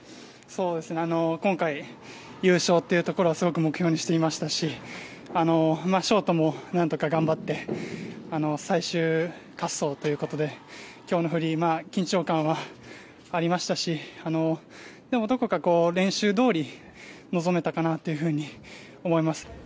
今回、優勝というところをすごく目標にしていましたしショートもなんとか頑張って最終滑走ということで今日のフリー緊張感はありましたしでも、どこか練習どおり臨めたかなというふうに思います。